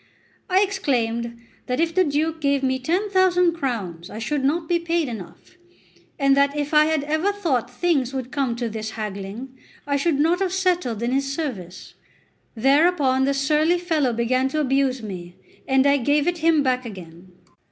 I exclaimed that if the Duke gave me ten thousand crowns I should not be paid enough, and that if I had ever thought things would come to this haggling, I should not have settled in his service. Thereupon the surly fellow began to abuse me, and I gave it him back again.